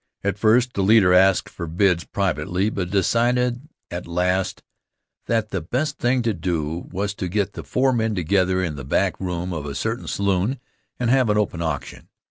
At first the leader asked for bids privately, but decided at last that the best thing to do was to get the four men together in the back room of a certain saloon and have an open auction.